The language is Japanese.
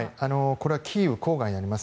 これはキーウ郊外にあります